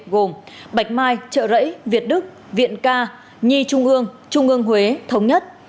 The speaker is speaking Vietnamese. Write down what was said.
gồm bạch mai trợ rẫy việt đức viện ca nhi trung ương trung ương huế thống nhất